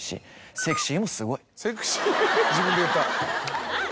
セクシー自分で言った。